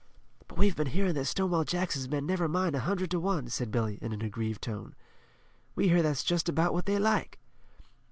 "But we've been hearin' that Stonewall Jackson's men never mind a hundred to one," said Billy, in an aggrieved tone. "We hear that's just about what they like."